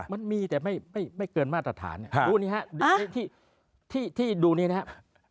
มันมีแต่ไม่เกินมาตรฐานดูนี่ฮะที่ดูนี้นะครับ